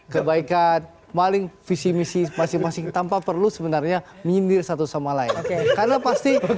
kebaikan maling visi visi pasien pasien tanpa perlu sebenarnya menyendiri satu sama lain karena pasti